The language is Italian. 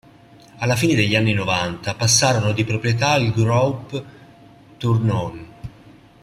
Alla fine degli anni novanta passarono di proprietà al Groupe Tournon.